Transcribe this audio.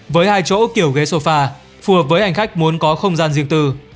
với hai chỗ kiểu ghế sofa phù hợp với hành khách muốn có không gian riêng tư